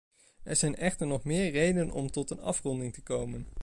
Er zijn echter nog meer redenen om tot een afronding te komen.